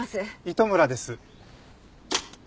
糸村です。